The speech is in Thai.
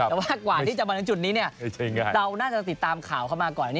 แต่ว่ากว่าที่จะมาถึงจุดนี้เราน่าจะติดตามข่าวเข้ามาก่อน